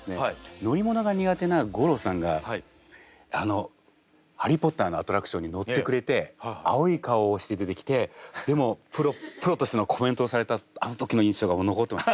乗り物が苦手な吾郎さんが「ハリー・ポッター」のアトラクションに乗ってくれて青い顔をして出てきてでもプロとしてのコメントをされたあの時の印象が残ってます。